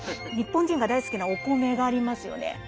日本人が大好きなお米がありますよね。